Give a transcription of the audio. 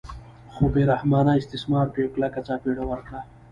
خو بې رحمانه استثمار ته یې کلکه څپېړه ورکړه.